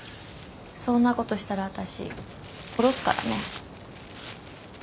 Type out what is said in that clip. そんなことしたら私殺すからね。